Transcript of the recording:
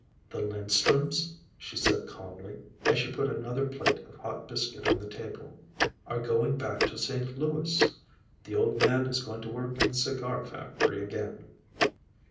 "The Linstrums," she said calmly, as she put another plate of hot biscuit on the table, "are going back to St. Louis. The old man is going to work in the cigar factory again."